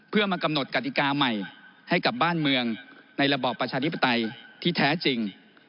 เพื่อมากำหนดกติกาใหม่ให้กับบ้านเมืองในระบอบประชาธิปไตยที่แท้จริง